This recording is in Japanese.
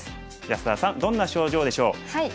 安田さんどんな症状でしょう。